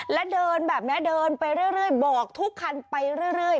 แล้วเดินแบบนี้เดินไปเรื่อยบอกทุกคันไปเรื่อย